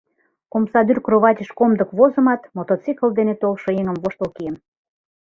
Омсадӱр кроватьыш комдык возымат, мотоцикл дене толшо еҥым воштыл кием.